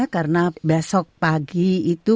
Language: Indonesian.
karena besok pagi itu